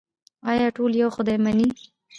آیا ټول یو خدای مني؟